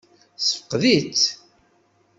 Tessefqed-itt?